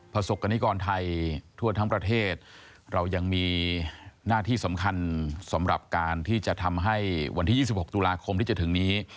ประสบกรณิกรไทยทั่วทั้งประเทศเรายังมีหน้าที่สำคัญสำหรับการที่จะทำให้วันที่๒๖ตุลาคมที่จะถึงนี้